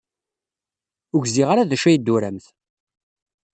Ur gziɣ ara d acu ay d-turamt.